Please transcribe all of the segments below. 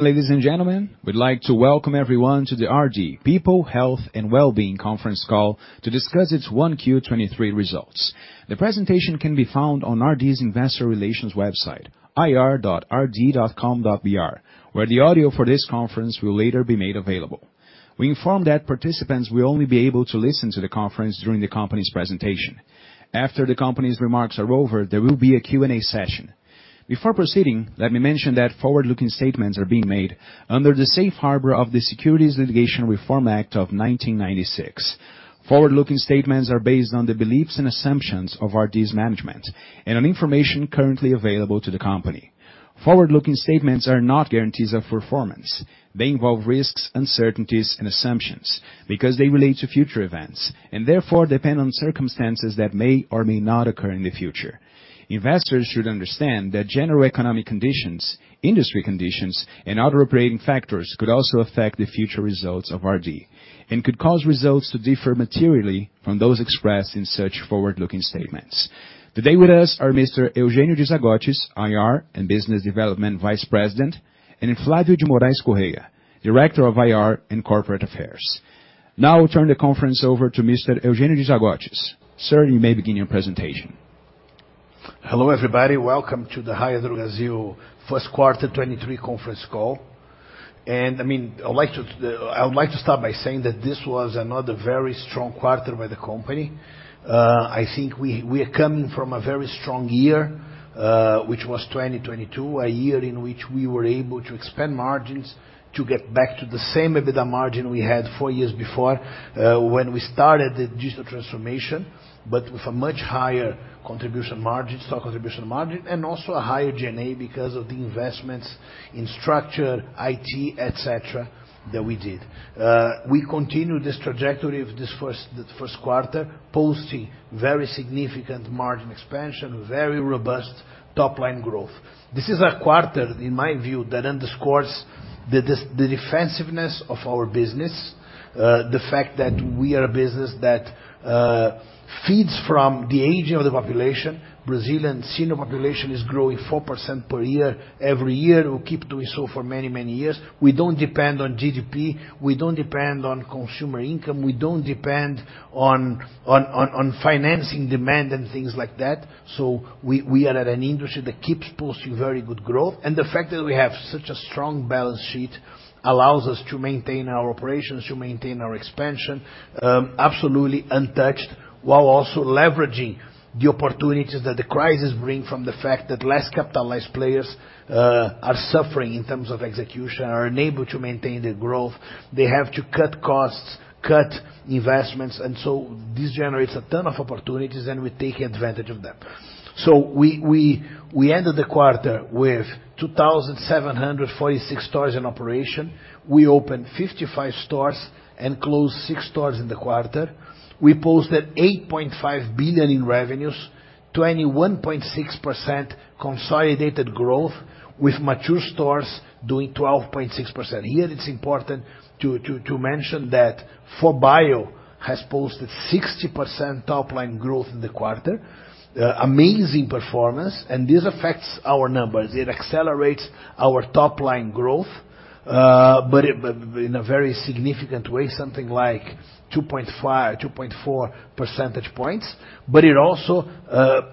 Ladies and gentlemen, we'd like to welcome everyone to the RD People, Health and Wellbeing conference call to discuss its 1Q 2023 results. The presentation can be found on RD's Investor Relations website, ir.rd.com.br, where the audio for this conference will later be made available. We inform that participants will only be able to listen to the conference during the company's presentation. After the company's remarks are over, there will be a Q&A session. Before proceeding, let me mention that forward-looking statements are being made under the Safe Harbor of the Private Securities Litigation Reform Act of 1995. Forward-looking statements are based on the beliefs and assumptions of RD's management and on information currently available to the company. Forward-looking statements are not guarantees of performance. They involve risks, uncertainties, and assumptions because they relate to future events and therefore depend on circumstances that may or may not occur in the future. Investors should understand that general economic conditions, industry conditions, and other operating factors could also affect the future results of RD and could cause results to differ materially from those expressed in such forward-looking statements. Today with us are Mr. Eugênio de Zagottis, IR and Business Development Vice President, and Flavio de Moraes Correia, Director of IR and Corporate Affairs. Now I'll turn the conference over to Mr. Eugênio de Zagottis. Sir, you may begin your presentation. Hello, everybody. Welcome to the Raia Drogasil Q1 2023 conference call. I would like to start by saying that this was another very strong quarter by the company. I think we are coming from a very strong year, which was 2022, a year in which we were able to expand margins to get back to the same EBITDA margin we had 4 years before, when we started the digital transformation, but with a much higher contribution margin, stock contribution margin, and also a higher G&A because of the investments in structure, IT, et cetera, that we did. We continued this trajectory of the Q1, posting very significant margin expansion, very robust top-line growth. This is a quarter, in my view, that underscores the defensiveness of our business, the fact that we are a business that feeds from the aging of the population. Brazilian senior population is growing 4% per year every year, will keep doing so for many, many years. We don't depend on GDP. We don't depend on consumer income. We don't depend on financing demand and things like that. We are at an industry that keeps posting very good growth. The fact that we have such a strong balance sheet allows us to maintain our operations, to maintain our expansion, absolutely untouched, while also leveraging the opportunities that the crisis bring from the fact that less capitalized players are suffering in terms of execution, are unable to maintain their growth. They have to cut costs, cut investments. This generates a ton of opportunities, and we're taking advantage of that. We ended the quarter with 2,746 stores in operation. We opened 55 stores and closed six stores in the quarter. We posted 8.5 billion in revenues, 21.6% consolidated growth with mature stores doing 12.6%. Here it's important to mention that 4Bio has posted 60% top-line growth in the quarter, amazing performance, and this affects our numbers. It accelerates our top-line growth, but in a very significant way, something like 2.5, 2.4 percentage points. It also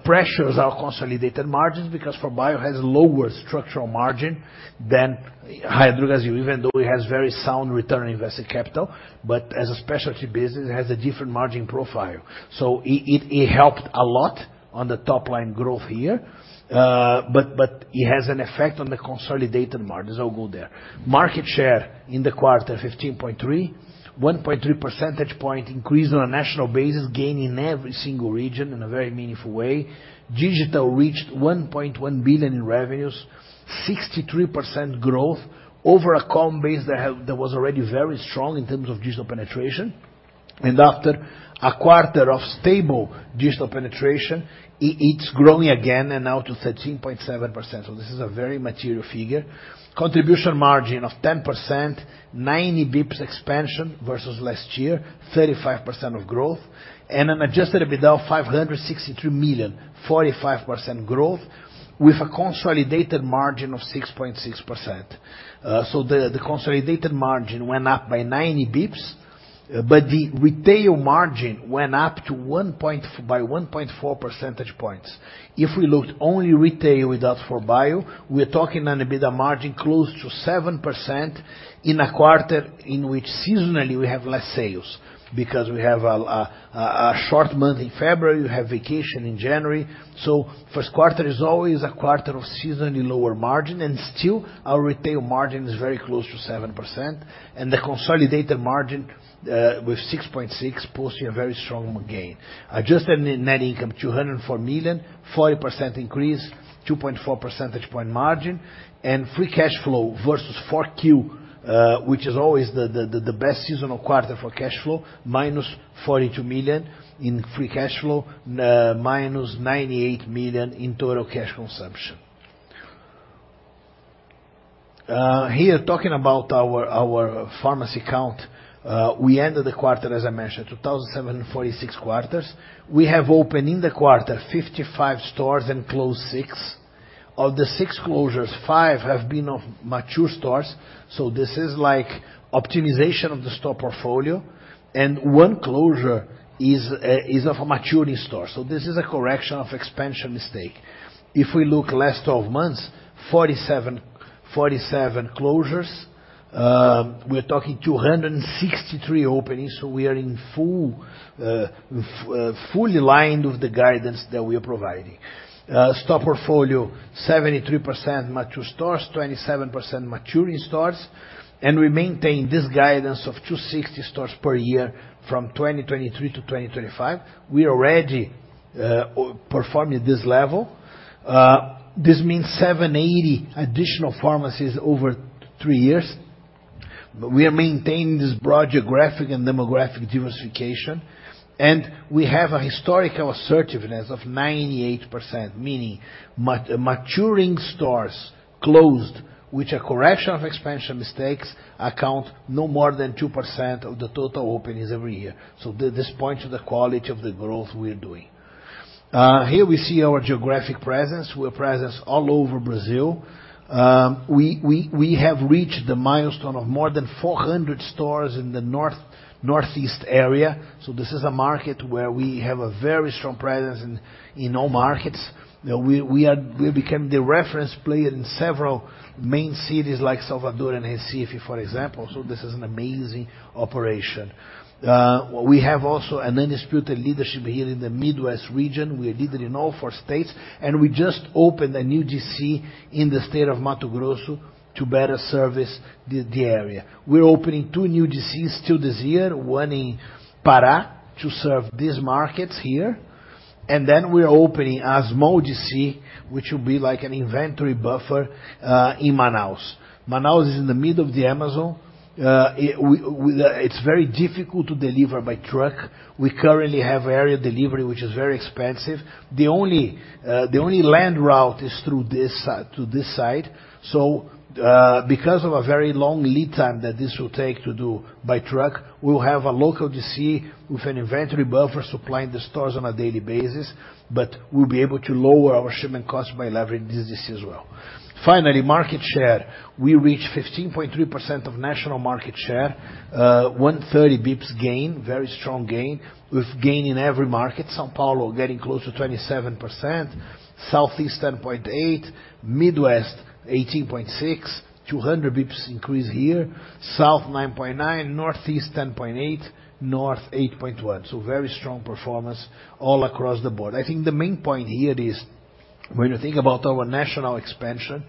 pressures our consolidated margins because 4Bio has lower structural margin than Raia Drogasil, even though it has very sound return on invested capital, as a specialty business, it has a different margin profile. It helped a lot on the top-line growth here, but it has an effect on the consolidated margins. I'll go there. Market share in the quarter, 15.3%. 1.3 percentage point increase on a national basis, gain in every single region in a very meaningful way. Digital reached 1.1 billion in revenues, 63% growth over a comm base that was already very strong in terms of digital penetration. After a quarter of stable digital penetration, it's growing again and now to 13.7%. This is a very material figure. Contribution margin of 10%, 90 basis points expansion versus last year, 35% of growth. An adjusted EBITDA of 563 million, 45% growth with a consolidated margin of 6.6%. The consolidated margin went up by 90 basis points, the retail margin went up to 1.4 percentage points. If we looked only retail without 4Bio, we're talking on EBITDA margin close to 7% in a quarter in which seasonally we have less sales because we have a short month in February, we have vacation in January. Q1 is always a quarter of seasonally lower margin, and still our retail margin is very close to 7%. The consolidated margin with 6.6% posting a very strong gain. Adjusted net income, 204 million, 40% increase, 2.4 percentage point margin. Free cash flow versus 4Q, which is always the best seasonal quarter for cash flow, 42 million in free cash flow, -98 million in total cash consumption. Here talking about our pharmacy count, we ended the quarter, as I mentioned, 2,746 quarters. We have opened in the quarter 55 stores and closed six. Of the six closures, five have been of mature stores. This is like optimization of the store portfolio. one closure is of a maturing store. This is a correction of expansion mistake. If we look last 12 months, 47 closures, we're talking 263 openings, so we are in fully lined with the guidance that we are providing. Store portfolio, 73% mature stores, 27% maturing stores. We maintain this guidance of 260 stores per year from 2023 to 2025. We already performing at this level. This means 780 additional pharmacies over three years. We are maintaining this broad geographic and demographic diversification, and we have a historical assertiveness of 98%, meaning maturing stores closed with a correction of expansion mistakes account no more than 2% of the total openings every year. This points to the quality of the growth we're doing. Here we see our geographic presence. We're present all over Brazil. We have reached the milestone of more than 400 stores in the North, Northeast area. This is a market where we have a very strong presence in all markets. We became the reference player in several main cities like Salvador and Recife, for example. This is an amazing operation. We have also an undisputed leadership here in the Midwest region. We're a leader in all four states, and we just opened a new DC in the state of Mato Grosso to better service the area. We're opening two new DCs still this year, one in Pará to serve these markets here. We are opening a small DC, which will be like an inventory buffer in Manaus. Manaus is in the middle of the Amazon. It's very difficult to deliver by truck. We currently have aerial delivery, which is very expensive. The only land route is through this side, to this side. Because of a very long lead time that this will take to do by truck, we'll have a local DC with an inventory buffer supplying the stores on a daily basis, but we'll be able to lower our shipment costs by leveraging this DC as well. Finally, market share. We reached 15.3% of national market share. 130 basis points gain, very strong gain, with gain in every market. São Paulo getting close to 27%. Southeast, 10.8%. Midwest, 18.6%. 200 basis points increase here. South, 9.9%. Northeast, 10.8%. North, 8.1%. Very strong performance all across the board. I think the main point here is when you think about our national expansion,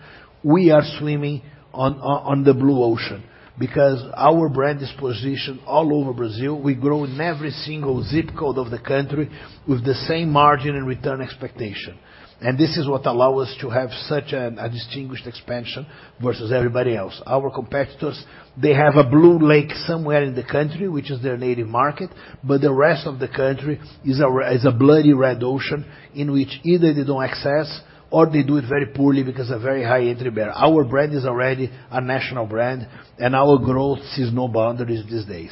we are swimming on the blue ocean because our brand is positioned all over Brazil. We grow in every single ZIP code of the country with the same margin and return expectation. This is what allow us to have such a distinguished expansion versus everybody else. Our competitors, they have a blue lake somewhere in the country, which is their native market, but the rest of the country is a bloody red ocean in which either they don't access or they do it very poorly because a very high entry barrier. Our brand is already a national brand, and our growth sees no boundaries these days.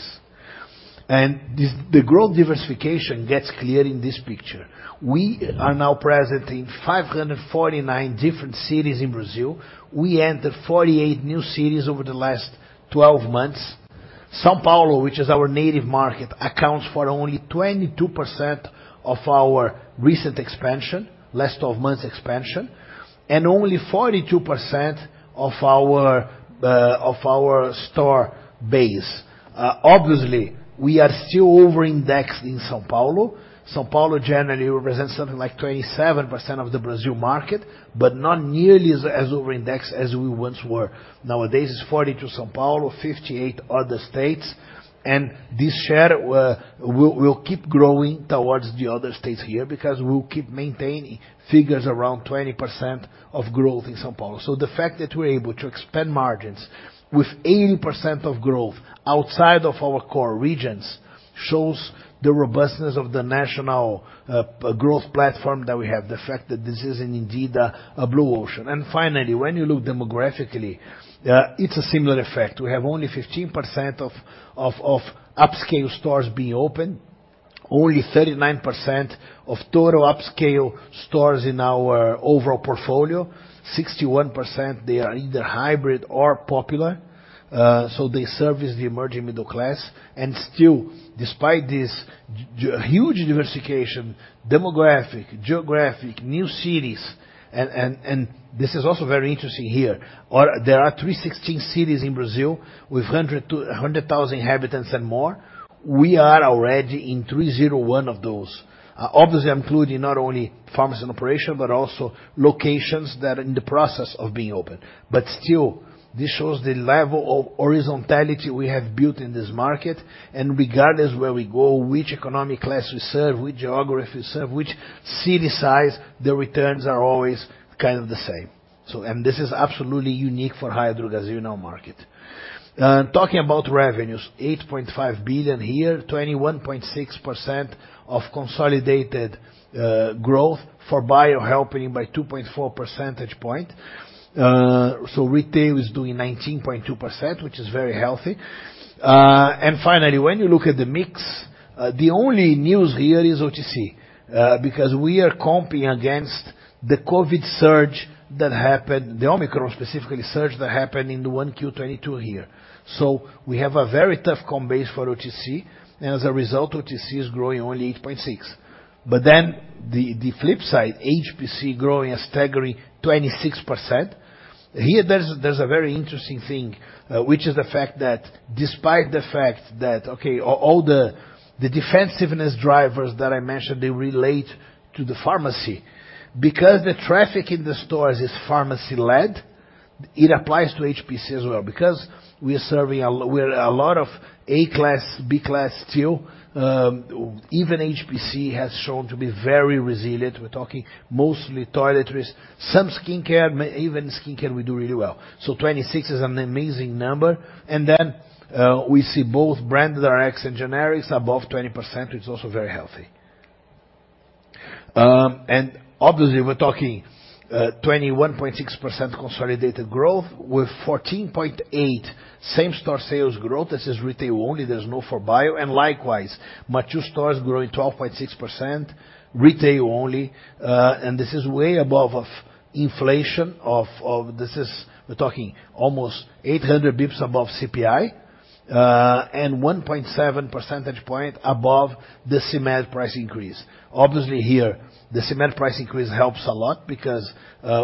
The growth diversification gets clear in this picture. We are now present in 549 different cities in Brazil. We entered 48 new cities over the last 12 months. São Paulo, which is our native market, accounts for only 22% of our recent expansion, last 12 months expansion, and only 42% of our of our store base. Obviously, we are still over-indexed in São Paulo. São Paulo generally represents something like 27% of the Brazil market, but not nearly as over-indexed as we once were. Nowadays, it's 42 São Paulo, 58 other states. This share will keep growing towards the other states here because we'll keep maintaining figures around 20% of growth in São Paulo. The fact that we're able to expand margins with 80% of growth outside of our core regions shows the robustness of the national growth platform that we have. The fact that this is indeed a blue ocean. Finally, when you look demographically, it's a similar effect. We have only 15% of upscale stores being open. Only 39% of total upscale stores in our overall portfolio. 61%, they are either hybrid or popular, so they service the emerging middle class. Still, despite this huge diversification, demographic, geographic, new cities, and this is also very interesting here. There are 316 cities in Brazil with 100,000 inhabitants and more. We are already in 301 of those. Obviously, I'm including not only pharmacy in operation, but also locations that are in the process of being opened. Still, this shows the level of horizontality we have built in this market. Regardless where we go, which economic class we serve, which geography we serve, which city size, the returns are always kind of the same. This is absolutely unique for Raia Drogasil in our market. Talking about revenues, 8.5 billion a year, 21.6% of consolidated growth, 4Bio helping by 2.4 percentage points. Retail is doing 19.2%, which is very healthy. Finally, when you look at the mix, the only news here is OTC, because we are comping against the COVID surge that happened, the Omicron specifically surge that happened in the 1Q 2022 here. We have a very tough comp base for OTC, and as a result, OTC is growing only 8.6%. The flip side, HPC growing a staggering 26%. Here, there's a very interesting thing, which is the fact that despite the fact that, okay, all the defensiveness drivers that I mentioned, they relate to the pharmacy because the traffic in the stores is pharmacy-led, it applies to HPC as well. Because we are serving We are a lot of A-class, B-class still, even HPC has shown to be very resilient. We're talking mostly toiletries, some skincare, even skincare we do really well. 26 is an amazing number and then, we see both brand directs and generics above 20%, which is also very healthy. Obviously, we're talking 21.6% consolidated growth with 14.8% same-store sales growth. This is retail only, there's no 4Bio. Likewise, mature stores growing 12.6% retail only. This is way above of inflation. This is we're talking almost 800 basis points above CPI and 1.7 percentage point above the CMED price increase. Obviously here, the CMED price increase helps a lot because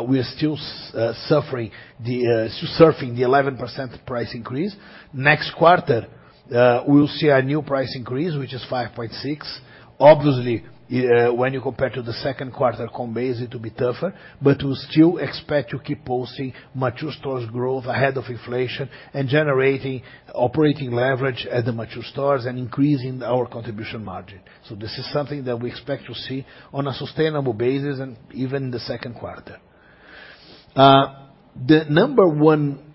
we are still suffering the 11% price increase. Next quarter, we'll see a new price increase, which is 5.6%. Obviously, when you compare to the Q2 comp base, it will be tougher. We still expect to keep posting mature stores growth ahead of inflation and generating operating leverage at the mature stores and increasing our contribution margin. This is something that we expect to see on a sustainable basis and even in the Q2. The number one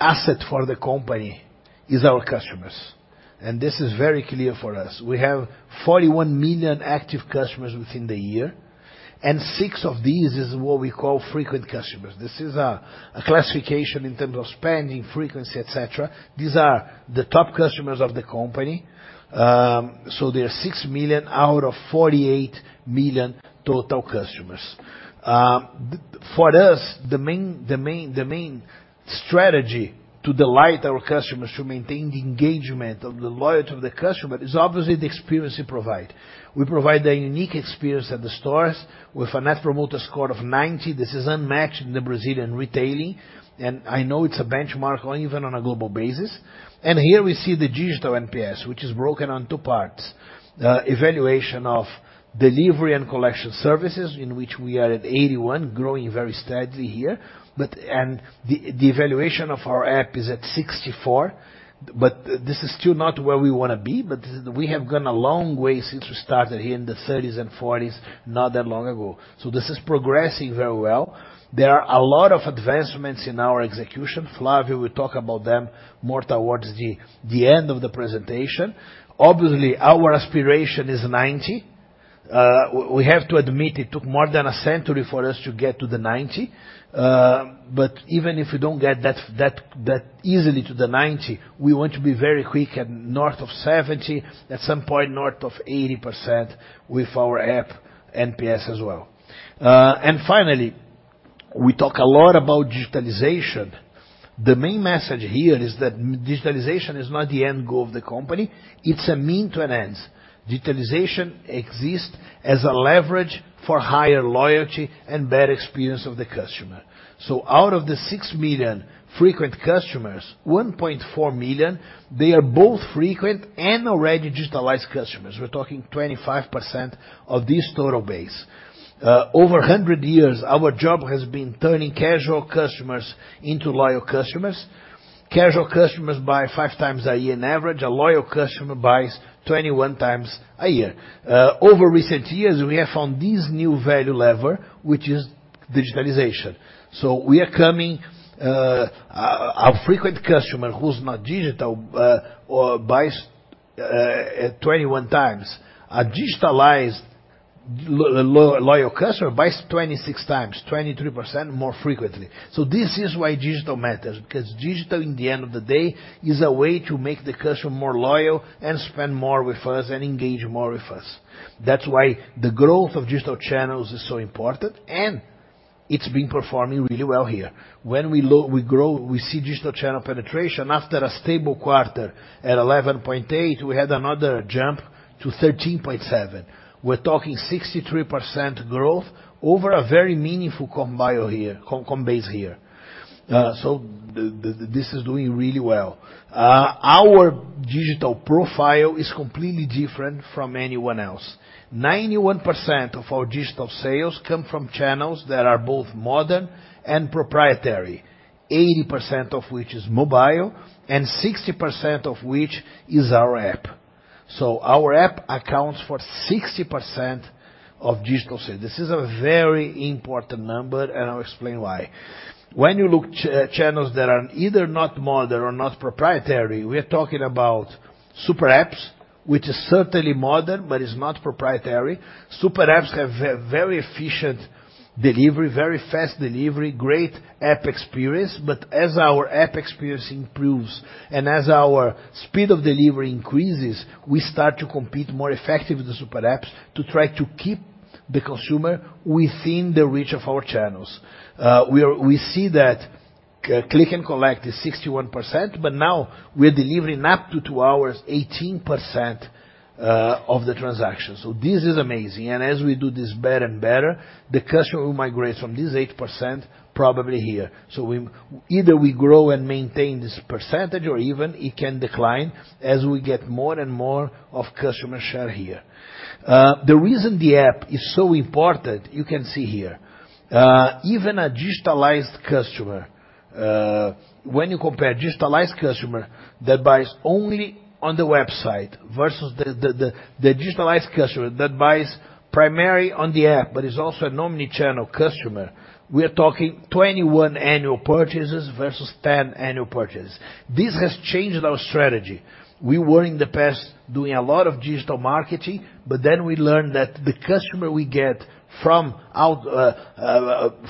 asset for the company is our customers, and this is very clear for us. We have 41 million active customers within the year, and six of these is what we call frequent customers. This is a classification in terms of spending, frequency, et cetera. These are the top customers of the company. So they are six million out of 48 million total customers. For us, the main strategy to delight our customers, to maintain the engagement of the loyalty of the customer is obviously the experience we provide. We provide a unique experience at the stores with a net promoter score of 90. This is unmatched in the Brazilian retailing, and I know it's a benchmark or even on a global basis. Here we see the digital NPS, which is broken on two parts. Evaluation of delivery and collection services, in which we are at 81, growing very steadily here. The evaluation of our app is at 64, but this is still not where we wanna be. This is we have gone a long way since we started here in the 30s and 40s, not that long ago. This is progressing very well. There are a lot of advancements in our execution. Flávio will talk about them more towards the end of the presentation. Obviously, our aspiration is 90. We have to admit it took more than a century for us to get to the 90. Even if we don't get that easily to the 90, we want to be very quick at north of 70, at some point, north of 80% with our app NPS as well. Finally, we talk a lot about digitalization. The main message here is that digitalization is not the end goal of the company. It's a mean to an end. Digitalization exists as a leverage for higher loyalty and better experience of the customer. Out of the six million frequent customers, 1.4 million, they are both frequent and already digitalized customers. We're talking 25% of this total base. Over 100 years, our job has been turning casual customers into loyal customers. Casual customers buy five times a year on average. A loyal customer buys 21 times a year. Over recent years, we have found this new value lever, which is digitalization. We are coming, a frequent customer who's not digital, or buys at 21 times. A digitalized loyal customer buys 26 times, 23% more frequently. This is why digital matters because digital, in the end of the day, is a way to make the customer more loyal and spend more with us and engage more with us. That's why the growth of digital channels is so important, and it's been performing really well here. When we grow, we see digital channel penetration after a stable quarter at 11.8, we had another jump to 13.7. We're talking 63% growth over a very meaningful comp base here. This is doing really well. Our digital profile is completely different from anyone else. 91% of our digital sales come from channels that are both modern and proprietary, 80% of which is mobile and 60% of which is our app. Our app accounts for 60% of digital sales. This is a very important number, and I'll explain why. When you look channels that are either not modern or not proprietary, we're talking about super apps. Which is certainly modern but it's not proprietary. Super apps have very efficient delivery, very fast delivery, great app experience. As our app experience improves and as our speed of delivery increases, we start to compete more effectively with the super apps to try to keep the consumer within the reach of our channels. We see that click and collect is 61%, but now we're delivering up to two hours 18% of the transaction. This is amazing. As we do this better and better, the customer will migrate from this 8% probably here. Either we grow and maintain this % or even it can decline as we get more and more of customer share here. The reason the app is so important, you can see here. Even a digitalized customer, when you compare digitalized customer that buys only on the website versus the digitalized customer that buys primarily on the app but is also an omni-channel customer, we are talking 21 annual purchases versus 10 annual purchases. This has changed our strategy. We were in the past doing a lot of digital marketing, we learned that the customer we get from out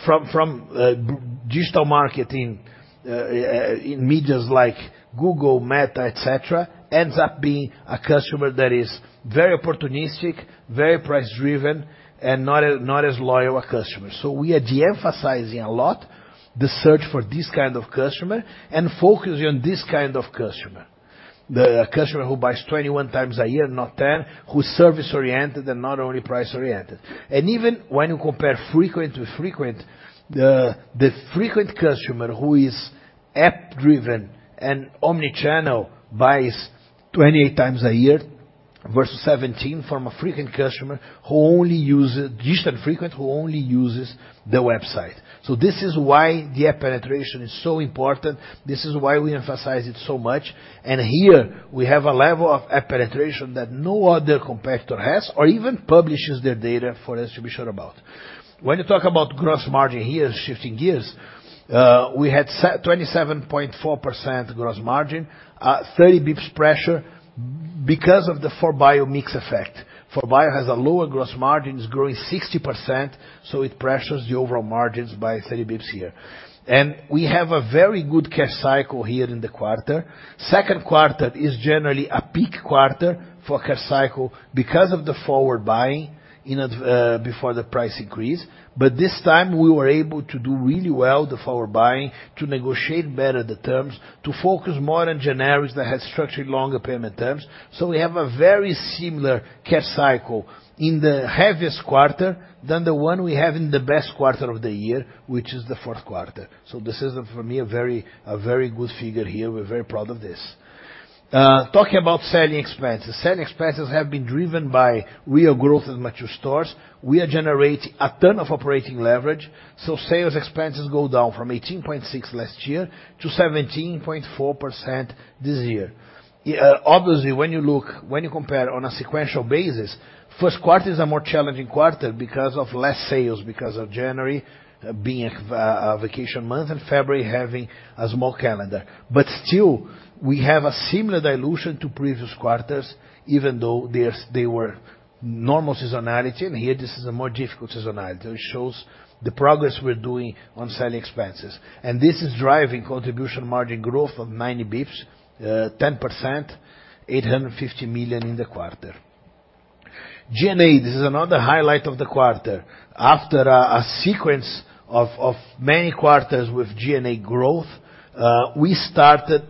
from digital marketing in medias like Google, Meta, et cetera, ends up being a customer that is very opportunistic, very price driven and not as loyal a customer. We are de-emphasizing a lot the search for this kind of customer and focusing on this kind of customer, the customer who buys 21 times a year, not 10, who's service oriented and not only price oriented. Even when you compare frequent to frequent, the frequent customer who is app driven and omni-channel buys 28 times a year versus 17 from a digital frequent customer who only uses the website. This is why the app penetration is so important. This is why we emphasize it so much. Here we have a level of app penetration that no other competitor has or even publishes their data for us to be sure about. When you talk about gross margin here, shifting gears, we had 27.4% gross margin, 30 BPS pressure because of the 4Bio mix effect. 4Bio has a lower gross margin, it's growing 60%. It pressures the overall margins by 30 BPS here. We have a very good cash cycle here in the quarter. Q2 is generally a peak quarter for cash cycle because of the forward buying before the price increase. This time we were able to do really well with our buying to negotiate better the terms, to focus more on generics that had structured longer payment terms. We have a very similar cash cycle in the heaviest quarter than the one we have in the best quarter of the year, which is the Q4. This is, for me, a very good figure here. We're very proud of this. Talking about selling expenses. Selling expenses have been driven by real growth in mature stores. We are generating a ton of operating leverage, sales expenses go down from 18.6 last year to 17.4% this year. Obviously, when you compare on a sequential basis, Q1 is a more challenging quarter because of less sales, because of January being a vacation month and February having a small calendar. Still, we have a similar dilution to previous quarters even though they were normal seasonality and here this is a more difficult seasonality which shows the progress we're doing on selling expenses. This is driving contribution margin growth of 90 BPS, 10%, 850 million in the quarter. G&A, this is another highlight of the quarter. After a sequence of many quarters with G&A growth, we started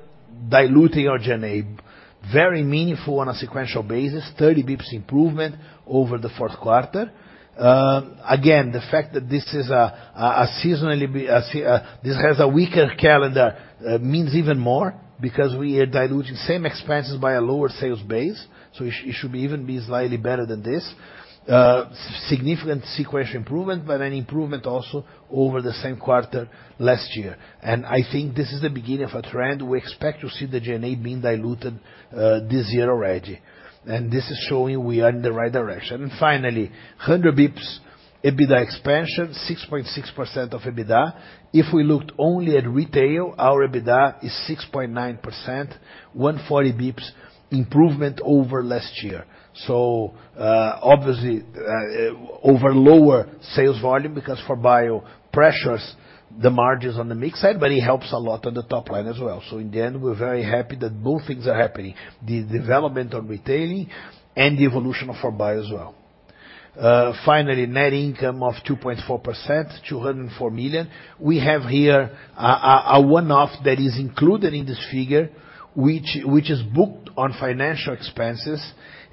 diluting our G&A very meaningful on a sequential basis, 30 BPS improvement over the Q4. Again, the fact that this is a seasonally this has a weaker calendar means even more because we are diluting same expenses by a lower sales base, so it should be even be slightly better than this. Significant sequential improvement but an improvement also over the same quarter last year. I think this is the beginning of a trend. We expect to see the G&A being diluted this year already. This is showing we are in the right direction. Finally, 100 BPS, EBITDA expansion, 6.6% of EBITDA. If we looked only at retail, our EBITDA is 6.9%, 140 basis points improvement over last year. Obviously, over lower sales volume because 4Bio pressures the margins on the mix side but it helps a lot on the top line as well. In the end, we're very happy that both things are happening, the development on retailing and the evolution of 4Bio as well. Finally, net income of 2.4%, 204 million. We have here a one-off that is included in this figure which is booked on financial expenses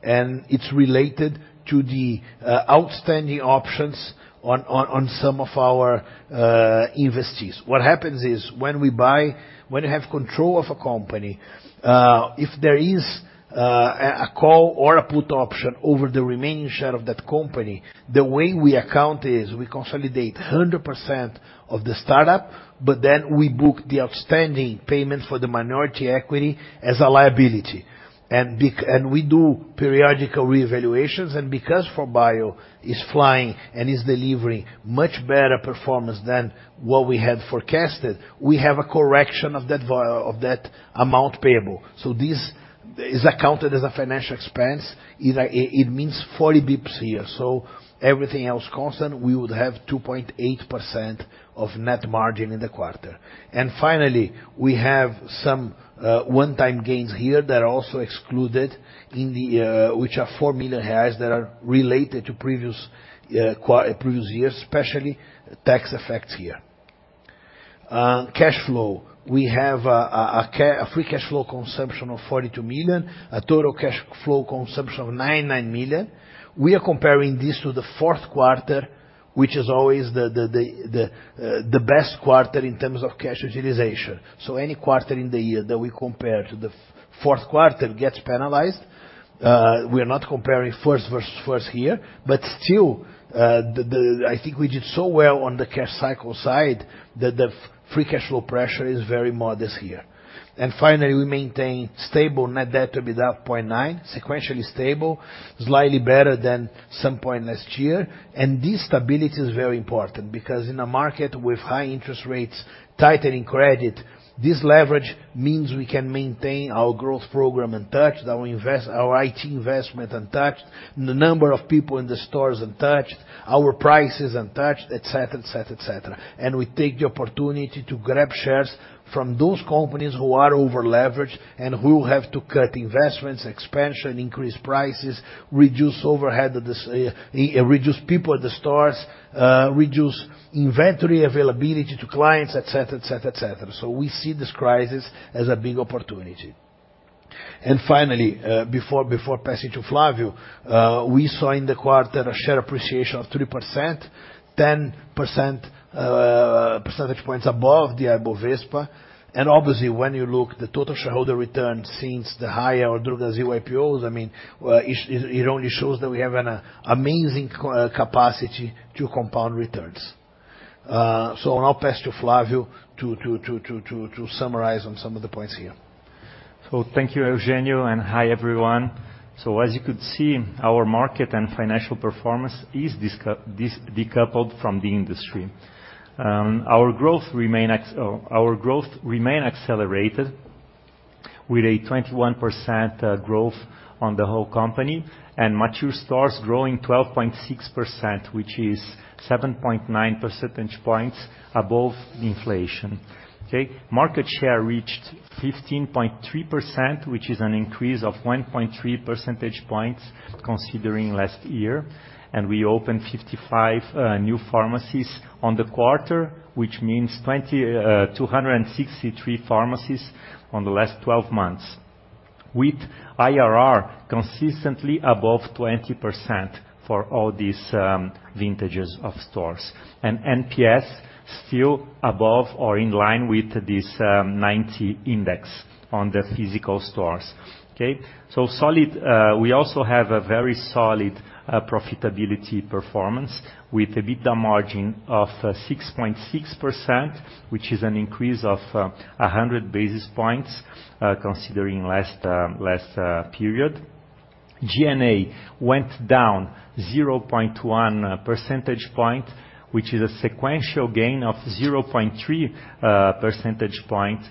and it's related to the outstanding options on some of our investees. What happens is when you have control of a company, if there is a call or a put option over the remaining share of that company, the way we account is we consolidate 100% of the startup, but then we book the outstanding payment for the minority equity as a liability. We do periodical re-evaluations, and because 4Bio is flying and is delivering much better performance than what we had forecasted, we have a correction of that amount payable. This is accounted as a financial expense. It means 40 bips here. Everything else constant, we would have 2.8% of net margin in the quarter. Finally, we have some one-time gains here that are also excluded in the. which are four million reais that are related to previous years, especially tax effects here. Cash flow. We have a free cash flow consumption of 42 million, a total cash flow consumption of 99 million. We are comparing this to the Q4, which is always the best quarter in terms of cash utilization. Any quarter in the year that we compare to the Q4 gets penalized. We are not comparing first versus first here, but still, I think we did so well on the cash cycle side that the free cash flow pressure is very modest here. Finally, we maintain stable net debt to EBITDA of 0.9, sequentially stable, slightly better than some point last year. This stability is very important because in a market with high interest rates, tightening credit, this leverage means we can maintain our growth program untouched, our IT investment untouched, the number of people in the stores untouched, our prices untouched, et cetera, et cetera, et cetera. We take the opportunity to grab shares from those companies who are over-leveraged and who have to cut investments, expansion, increase prices, reduce overhead, reduce people at the stores, reduce inventory availability to clients, et cetera, et cetera, et cetera. We see this crisis as a big opportunity. Finally, before passing to Flávio, we saw in the quarter a share appreciation of 3%, 10% percentage points above the Ibovespa. Obviously, when you look the total shareholder return since the Raia or Drogasil IPOs, I mean, it only shows that we have an amazing capacity to compound returns. I'll now pass to Flávio to summarize on some of the points here. Thank you, Eugênio, and hi, everyone. As you could see, our market and financial performance is decoupled from the industry. Our growth remain accelerated with a 21% growth on the whole company, and mature stores growing 12.6%, which is 7.9 percentage points above the inflation, okay? Market share reached 15.3%, which is an increase of 1.3 percentage points considering last year. We opened 55 new pharmacies on the quarter, which means 263 pharmacies on the last 12 months, with IRR consistently above 20% for all these vintages of stores. NPS still above or in line with this 90 index on the physical stores, okay? Solid, we also have a very solid profitability performance with EBITDA margin of 6.6%, which is an increase of 100 basis points considering last period. G&A went down 0.1 percentage point, which is a sequential gain of 0.3 percentage point.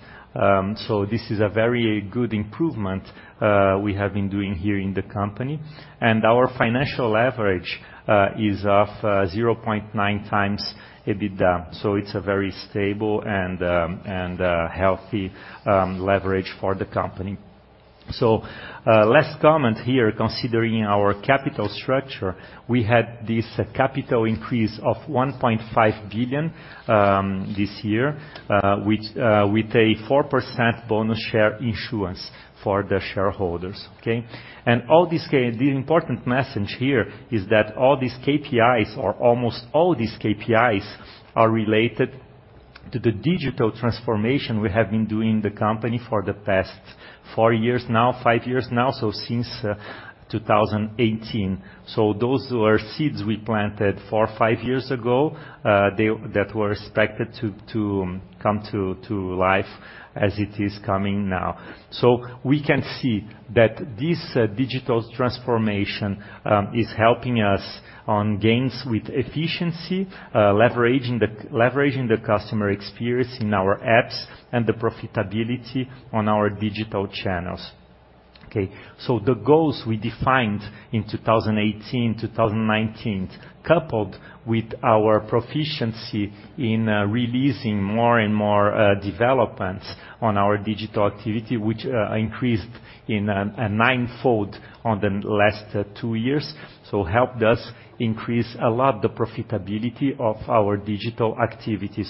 This is a very good improvement we have been doing here in the company. Our financial leverage is of 0.9 times EBITDA. It's a very stable and healthy leverage for the company. Last comment here, considering our capital structure, we had this capital increase of 1.5 billion this year, which with a 4% bonus share issuance for the shareholders, okay. The important message here is that all these KPIs or almost all these KPIs are related to the digital transformation we have been doing in the company for the past four years now, five years now, since 2018. Those were seeds we planted four or five years ago, that were expected to come to life as it is coming now. We can see that this digital transformation is helping us on gains with efficiency, leveraging the customer experience in our apps and the profitability on our digital channels, okay? The goals we defined in 2018, 2019, coupled with our proficiency in releasing more and more developments on our digital activity, which increased in a nine-fold on the last two years, helped us increase a lot the profitability of our digital activity.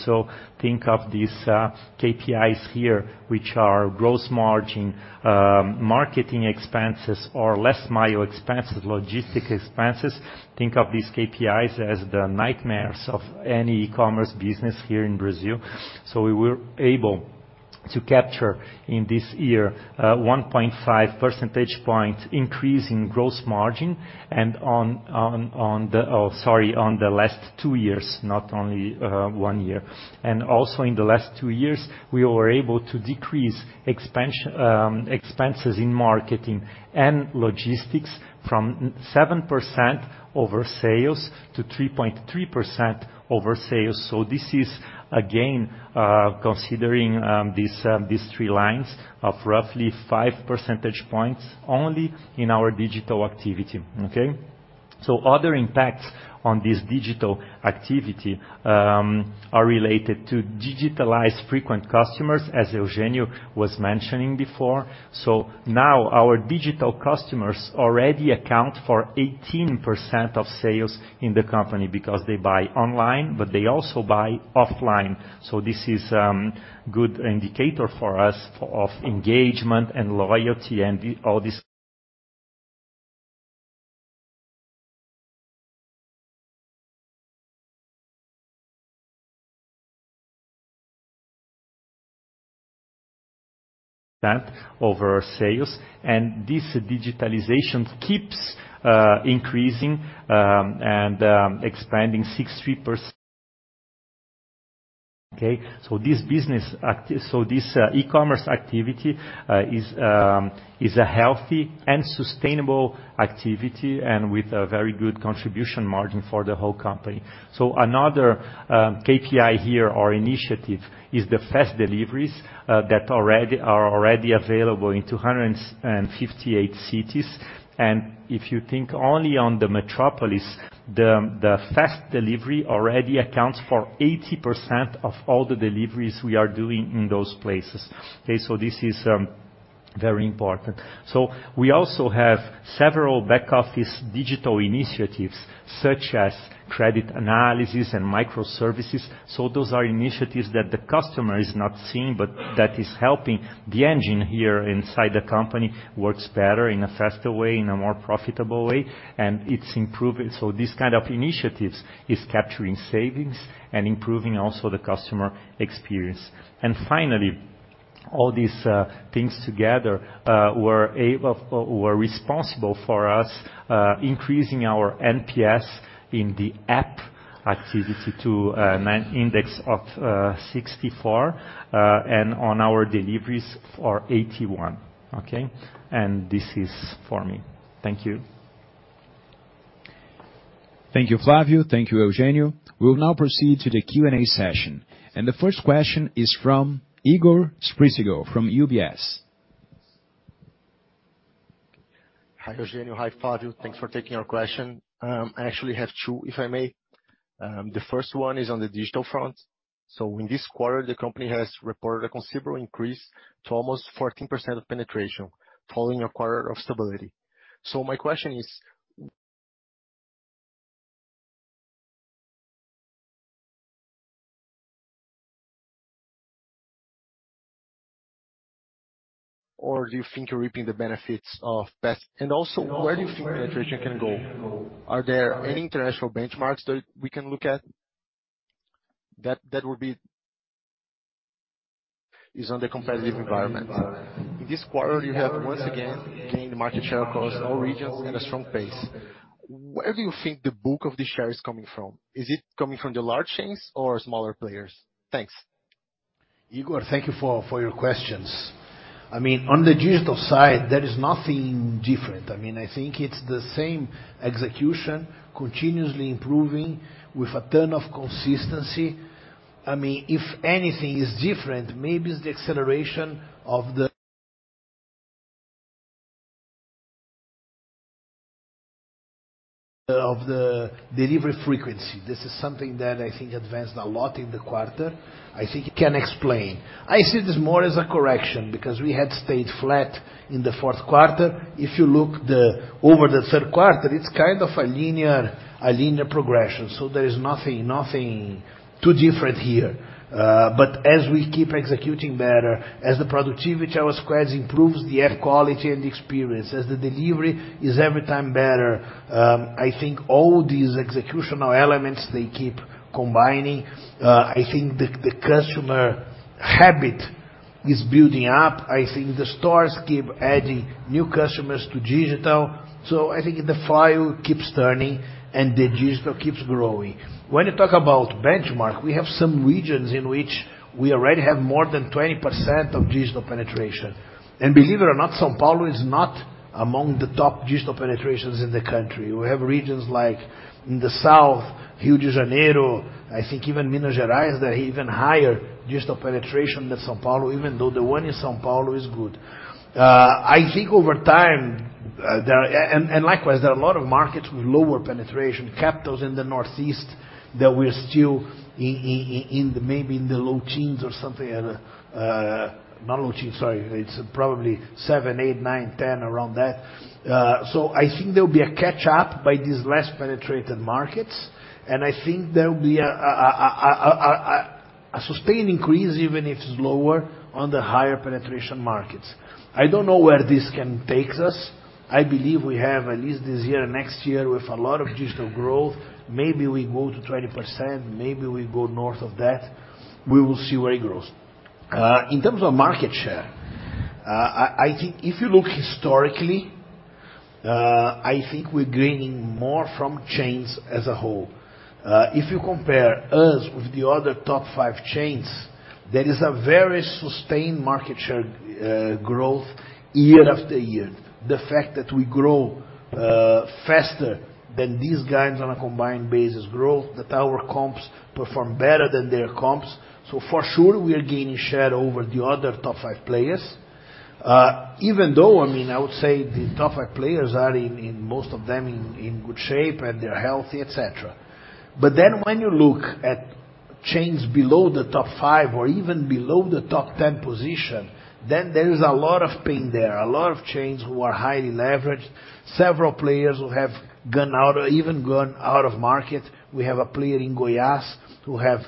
Think of these KPIs here, which are gross margin, marketing expenses or less mile expenses, logistic expenses. Think of these KPIs as the nightmares of any e-commerce business here in Brazil. We were able to capture in this year 1.5 percentage point increase in gross margin and on the last two years, not only one year. Also in the last two years, we were able to decrease expenses in marketing and logistics from 7% over sales to 3.3% over sales. This is again, considering these three lines of roughly five percentage points only in our digital activity. Okay? Other impacts on this digital activity are related to digitalized frequent customers, as Eugenio was mentioning before. Now our digital customers already account for 18% of sales in the company because they buy online, but they also buy offline. This is good indicator for us of engagement and loyalty and over our sales and this digitalization keeps increasing and expanding 63%. Okay, this e-commerce activity is a healthy and sustainable activity and with a very good contribution margin for the whole company. Another KPI here or initiative is the fast deliveries are already available in 258 cities. If you think only on the metropolis, the fast delivery already accounts for 80% of all the deliveries we are doing in those places. This is very important. We also have several back office digital initiatives such as credit analysis and microservices. Those are initiatives that the customer is not seeing, but that is helping the engine here inside the company works better in a faster way, in a more profitable way, and it's improving. This kind of initiatives is capturing savings and improving also the customer experience. Finally, all these things together were responsible for us increasing our NPS in the app activity to an index of 64, and on our deliveries for 81. This is for me. Thank you. Thank you, Flávio. Thank you, Eugênio. We'll now proceed to the Q&A session. The first question is from Igor G. Spricigo from UBS. Hi, Eugênio. Hi, Flávio. Thanks for taking our question. I actually have two, if I may. The first one is on the digital front. In this quarter, the company has reported a considerable increase to almost 14% of penetration following a quarter of stability. My question is or do you think you're reaping the benefits of past? Also, where do you think penetration can go? Are there any international benchmarks that we can look at? Is on the competitive environment. In this quarter, you have once again gained market share across all regions at a strong pace. Where do you think the bulk of the share is coming from? Is it coming from the large chains or smaller players? Thanks. Igor, thank you for your questions. On the digital side, there is nothing different. It's the same execution continuously improving with a ton of consistency. if anything is different, maybe it's the acceleration of the delivery frequency. This is something that advanced a lot in the quarter. I think you can explain. I see this more as a correction because we had stayed flat in the Q4. If you look over the Q3, it's kind of a linear progression. There is nothing too different here. As we keep executing better, as the productivity at our squares improves the air quality and the experience, as the delivery is every time better, all these executional elements, they keep combining. The customer habit is building up. I think the stores keep adding new customers to digital. The file keeps turning and the digital keeps growing. When you talk about benchmark, we have some regions in which we already have more than 20% of digital penetration. Believe it or not, São Paulo is not among the top digital penetrations in the country. We have regions like in the south, Rio de Janeiro, even Minas Gerais, they're even higher digital penetration than São Paulo, even though the one in São Paulo is good. over time, and likewise, there are a lot of markets with lower penetration capitals in the northeast that we're still in, maybe in the low teens or something at a. Not low teens, sorry. It's probably seven, eight, nine, 10 around that. There'll be a catch up by these less penetrated markets. There will be a sustained increase even if it's lower on the higher penetration markets. I don't know where this can takes us. I believe we have at least this year, next year, with a lot of digital growth. Maybe we go to 20%, maybe we go north of that. We will see where it grows. In terms of market share, if you look historically We're gaining more from chains as a whole. If you compare us with the other top five chains, there is a very sustained market share growth year after year. The fact that we grow faster than these guys on a combined basis growth, that our comps perform better than their comps. For sure, we are gaining share over the other top five players. Even though, I would say the top five players are in most of them in good shape and they're healthy, et cetera. When you look at chains below the top five or even below the top 10 position, there is a lot of pain there. A lot of chains who are highly leveraged, several players who have even gone out of market. We have a player in Goiás who have,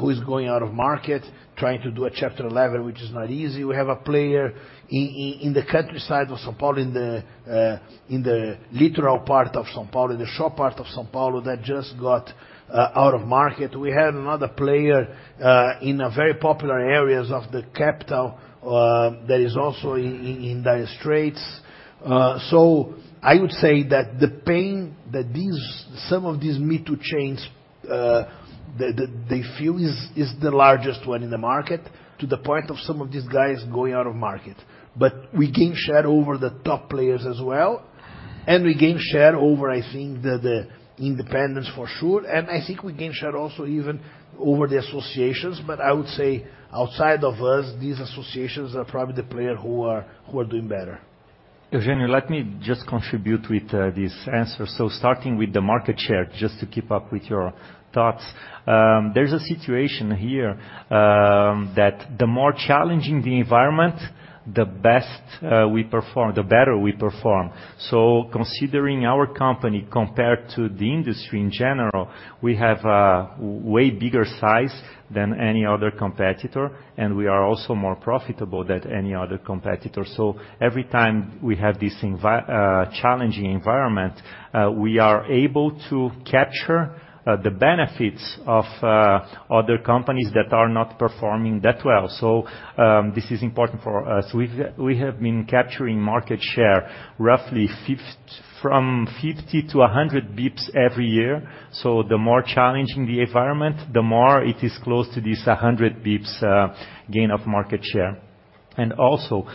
who is going out of market trying to do a Chapter 11, which is not easy. We have a player in the countryside of São Paulo, in the literal part of São Paulo, in the shore part of São Paulo, that just got out of market. We have another player, in a very popular areas of the capital, that is also in dire straits. I would say that the pain that some of these me too chains, that they feel is the largest one in the market to the point of some of these guys going out of market. We gain share over the top players as well, and we gain share over, The independents for sure, and I think we gain share also even over the associations. I would say outside of us, these associations are probably the player who are doing better. Eugênio, let me just contribute with this answer. Starting with the market share, just to keep up with your thoughts. There's a situation here that the more challenging the environment, the better we perform. Considering our company compared to the industry in general, we have a way bigger size than any other competitor, and we are also more profitable than any other competitor. Every time we have this challenging environment, we are able to capture the benefits of other companies that are not performing that well. This is important for us. We have been capturing market share roughly from 50 to 100 BPS every year. The more challenging the environment, the more it is close to this 100 BPS gain of market share. Also,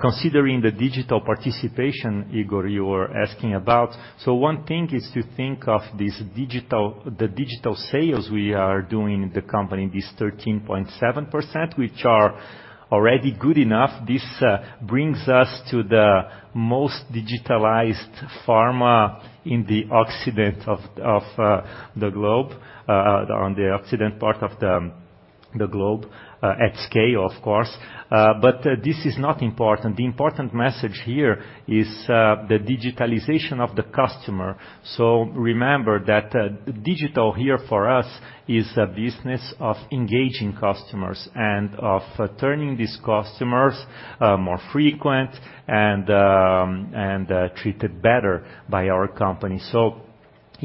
considering the digital participation, Igor, you were asking about. One thing is to think of the digital sales we are doing in the company, this 13.7%, which are already good enough. This brings us to the most digitalized pharma in the Occident of the globe, on the Occident part of the globe, at scale of course. This is not important. The important message here is the digitalization of the customer. Remember that digital here for us is a business of engaging customers and of turning these customers more frequent and treated better by our company.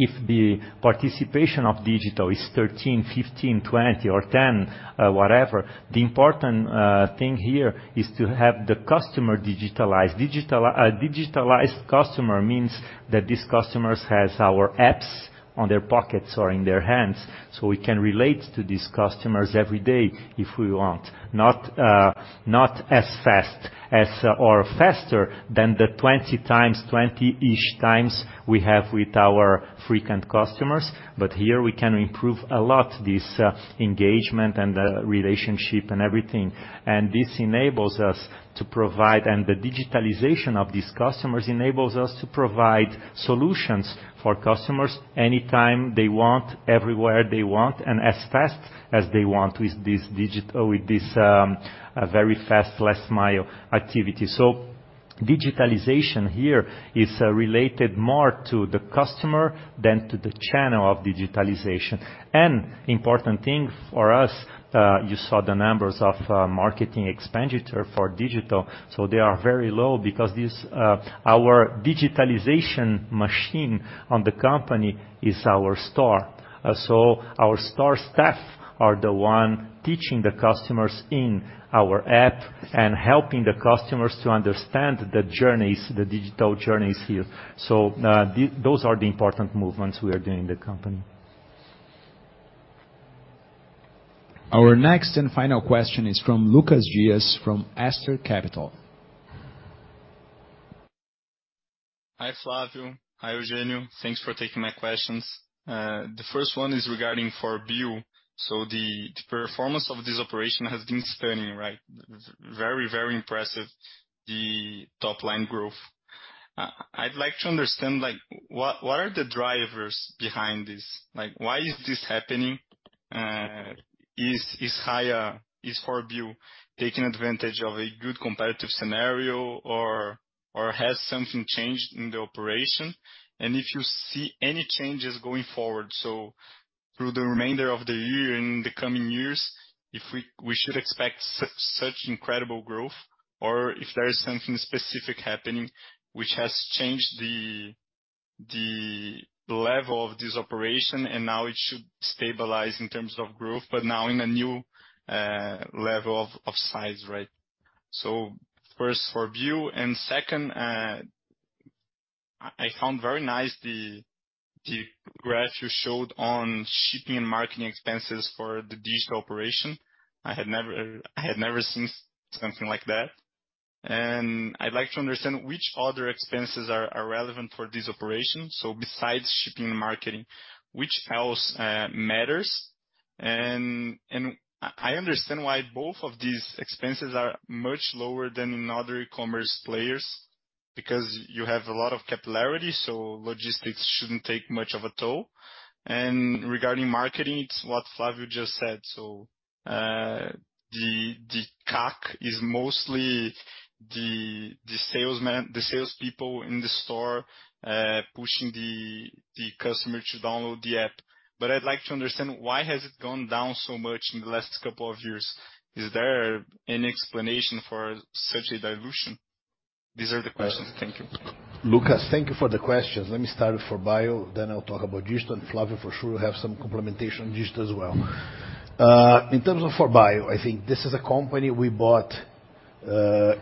If the participation of digital is 13, 15, 20, or 10, whatever, the important thing here is to have the customer digitalized. A digitalized customer means that these customers has our apps on their pockets or in their hands, so we can relate to these customers every day if we want. Not as fast as or faster than the 20 times, 20-ish times we have with our frequent customers, but here we can improve a lot, this engagement and relationship and everything. This enables us to provide. The digitalization of these customers enables us to provide solutions for customers anytime they want, everywhere they want, and as fast as they want with this very fast last mile activity. Digitalization here is related more to the customer than to the channel of digitalization. Important thing for us, you saw the numbers of marketing expenditure for digital. They are very low because this, our digitalization machine on the company is our store. Our store staff are the one teaching the customers in our app and helping the customers to understand the journeys, the digital journeys here. Those are the important movements we are doing in the company. Our next and final question is from Lucas Dias from Aster Capital. Hi, Flávio. Hi, Eugênio. Thanks for taking my questions. The first one is regarding 4Bio. The performance of this operation has been stunning, right? Very, very impressive, the top line growth. I'd like to understand, like, what are the drivers behind this? Like, why is this happening? Is 4Bio taking advantage of a good competitive scenario or has something changed in the operation? If you see any changes going forward, so through the remainder of the year and the coming years, if we should expect such incredible growth or if there is something specific happening which has changed the level of this operation and now it should stabilize in terms of growth but now in a new level of size, right? First for view and second, I found very nice the graph you showed on shipping and marketing expenses for the digital operation. I had never seen something like that and I'd like to understand which other expenses are relevant for this operation. Besides shipping and marketing which else matters and I understand why both of these expenses are much lower than in other e-commerce players because you have a lot of capillarity so logistics shouldn't take much of a toll and regarding marketing it's what Flávio just said so, the CAC is mostly the salespeople in the store, pushing the customer to download the app but I'd like to understand why has it gone down so much in the last couple of years. Is there an explanation for such a dilution? These are the questions. Thank you. Lucas, thank you for the questions. Let me start with 4Bio, then I'll talk about Digio and Flávio for sure will have some complementation on Digio as well. In terms of 4Bio, I think this is a company we bought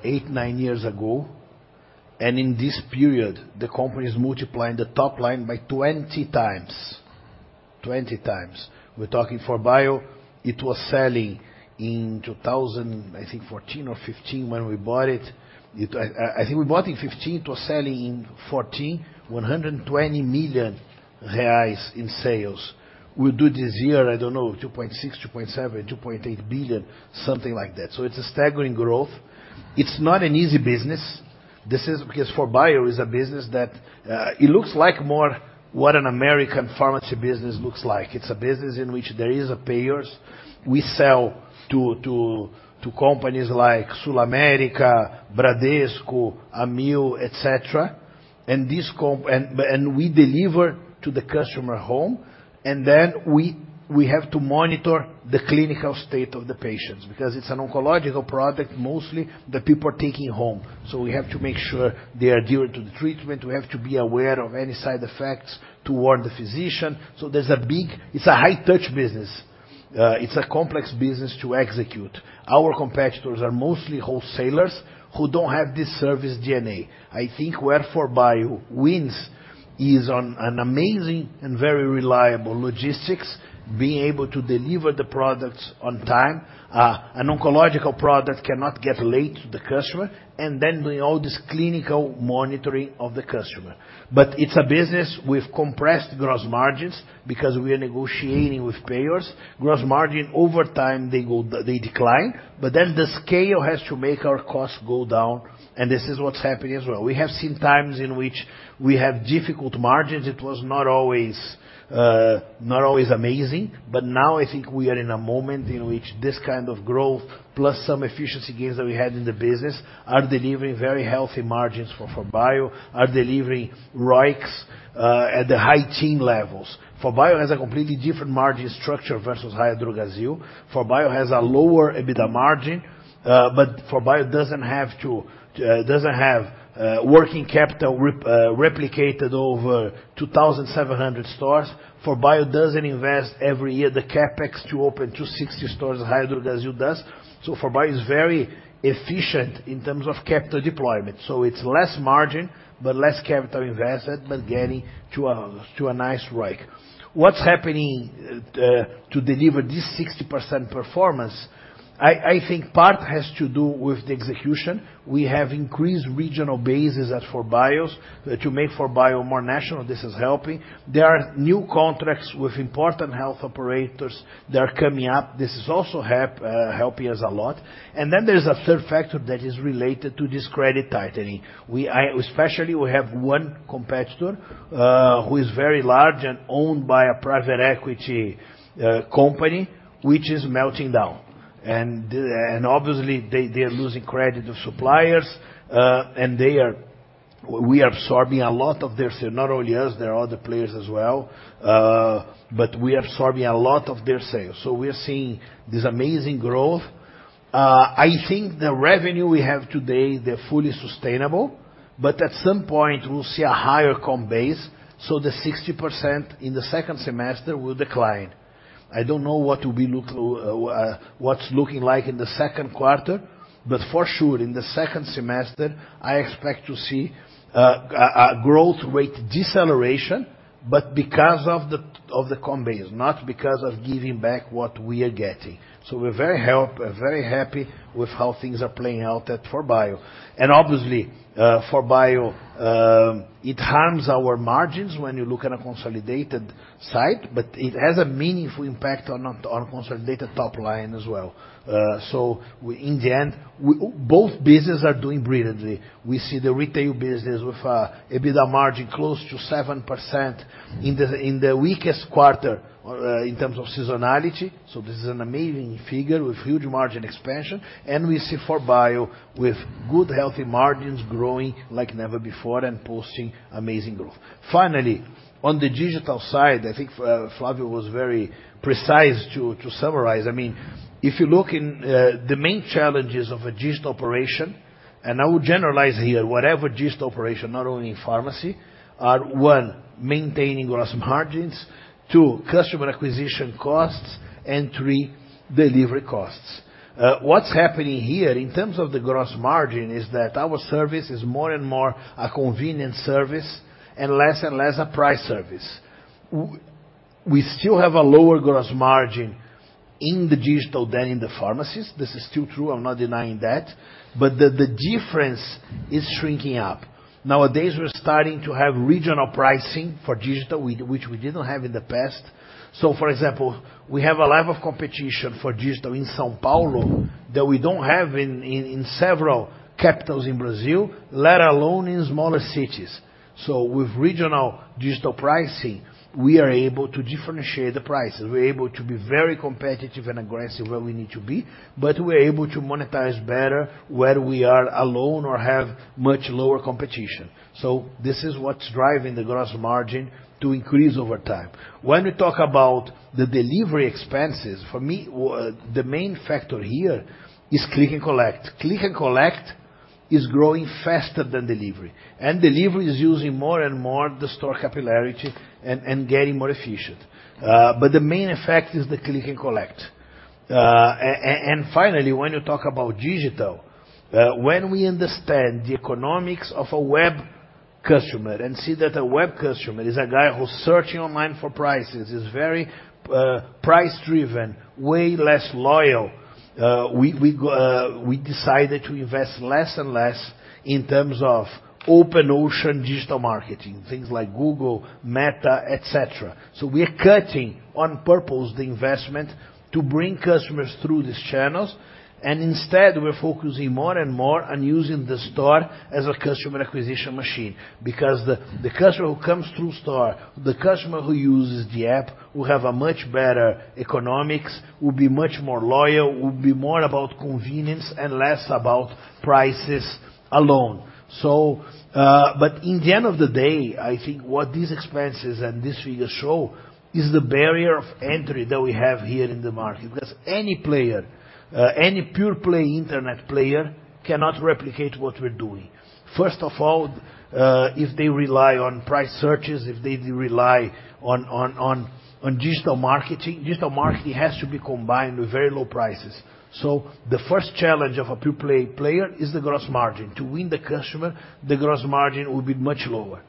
eight, nine years ago and in this period the company is multiplying the top line by 20 times. 20 times. We're talking 4Bio, it was selling in 2014 I think or 2015 when we bought it. I think we bought in 2015 it was selling in 2014 120 million reais in sales. We'll do this year I don't know 2.6 billion, 2.7 billion, 2.8 billion something like that. It's a staggering growth. It's not an easy business. This is because 4Bio is a business that it looks like more what an American pharmacy business looks like. It's a business in which there is a payers. We sell to companies like Sulamérica, Bradesco, Amil, et cetera. We deliver to the customer home and then we have to monitor the clinical state of the patients because it's an oncological product mostly that people are taking home. We have to make sure they are adhering to the treatment. We have to be aware of any side effects toward the physician. There's a big. It's a high touch business. It's a complex business to execute. Our competitors are mostly wholesalers who don't have this service DNA. Where 4Bio wins is on an amazing and very reliable logistics being able to deliver the products on time. An oncological product cannot get late to the customer and then doing all this clinical monitoring of the customer. It's a business with compressed gross margins because we are negotiating with payers. Gross margin over time they go, they decline but then the scale has to make our costs go down and this is what's happening as well. We have seen times in which we have difficult margins. It was not always amazing. Now I think we are in a moment in which this kind of growth plus some efficiency gains that we had in the business are delivering very healthy margins for 4Bio, are delivering ROICs at the high teen levels. 4Bio has a completely different margin structure versus Raia Drogasil. 4Bio has a lower EBITDA margin, but 4Bio doesn't have to, doesn't have working capital replicated over 2,700 stores. 4Bio doesn't invest every year the CapEx to open 260 stores Raia Drogasil does. 4Bio is very efficient in terms of capital deployment. It's less margin but less capital investment but getting to a nice ROIC. What's happening to deliver this 60% performance, I think part has to do with the execution. We have increased regional bases at 4Bio to make 4Bio more national. This is helping. There are new contracts with important health operators that are coming up. This is also helping us a lot there's a third factor that is related to this credit tightening. We, I, especially we have one competitor, who is very large and owned by a private equity company which is melting down and obviously they're losing credit of suppliers, and we are absorbing a lot of their sale. Not only us, there are other players as well, but we are absorbing a lot of their sales. We are seeing this amazing growth. I think the revenue we have today, they're fully sustainable but at some point we'll see a higher comp base so the 60% in the second semester will decline. I don't know what will be look, what's looking like in the Q2 but for sure in the second semester I expect to see a growth rate deceleration but because of the comp base not because of giving back what we are getting. We're very happy with how things are playing out at 4Bio and obviously, 4Bio, it harms our margins when you look at a consolidated site but it has a meaningful impact on consolidated top line as well. In the end both businesses are doing brilliantly. We see the retail business with a EBITDA margin close to 7% in the weakest quarter, in terms of seasonality. This is an amazing figure with huge margin expansion and we see 4Bio with good healthy margins growing like never before and posting amazing growth. Finally. On the digital side, I think, Flavio was very precise to summarize. I mean, if you look in the main challenges of a digital operation, and I would generalize here, whatever digital operation, not only in pharmacy, are one, maintaining gross margins. Two, customer acquisition costs. And three, delivery costs. What's happening here in terms of the gross margin is that our service is more and more a convenient service and less and less a price service. We still have a lower gross margin in the digital than in the pharmacies. This is still true, I'm not denying that, but the difference is shrinking up. Nowadays we're starting to have regional pricing for digital, which we didn't have in the past. For example, we have a level of competition for digital in São Paulo that we don't have in several capitals in Brazil, let alone in smaller cities. With regional digital pricing, we are able to differentiate the prices. We're able to be very competitive and aggressive where we need to be, but we're able to monetize better where we are alone or have much lower competition. This is what's driving the gross margin to increase over time. When we talk about the delivery expenses, for me, the main factor here is click and collect. Click and collect is growing faster than delivery. Delivery is using more and more the store capillarity and getting more efficient. The main effect is the click and collect. Finally, when you talk about digital, when we understand the economics of a web customer and see that a web customer is a guy who's searching online for prices, is very price-driven, way less loyal, we decided to invest less and less in terms of open ocean digital marketing, things like Google, Meta, et cetera. We are cutting on purpose the investment to bring customers through these channels, and instead we're focusing more and more on using the store as a customer acquisition machine. The customer who comes through store, the customer who uses the app, will have a much better economics, will be much more loyal, will be more about convenience and less about prices alone. In the end of the day, I think what these expenses and these figures show is the barrier of entry that we have here in the market. Any player, any pure-play internet player cannot replicate what we're doing. First of all, if they rely on price searches, if they do rely on digital marketing, digital marketing has to be combined with very low prices. The first challenge of a pure-play player is the gross margin. To win the customer, the gross margin will be much lower.